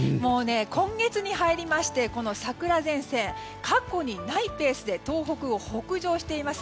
今月に入りまして桜前線、過去にないペースで東北を北上しています。